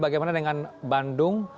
bagaimana dengan bandung